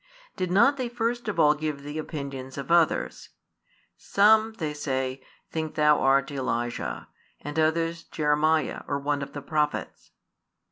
did not they first of all give the opinions of others? Some, they say, think Thou art Elijah, and others Jeremiah, or one of the prophets.